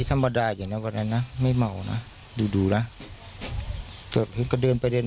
ของเขาก็ปกติแน่มั้ยปกติธรรมดาสี่นะวันนั้นนะ